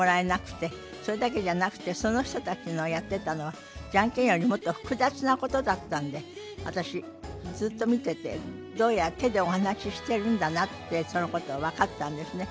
それだけじゃなくてその人たちのやってたのはジャンケンよりもっと複雑なことだったんで私ずっと見ててどうやら手でお話ししてるんだなってそのことが分かったんですね。